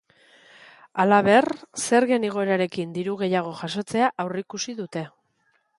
Halaber, zergen igoerarekin diru gehiago jasotzea aurreikusi dute.